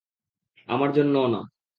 আমার জন্যও না।